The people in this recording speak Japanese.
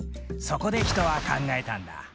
そこで人は考えたんだ。